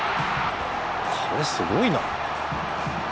これすごいな。